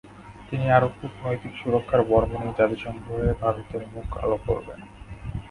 তিনি আরও কূটনৈতিক সুরক্ষার বর্ম নিয়ে জাতিসংঘে ভারতের মুখ আলো করবেন।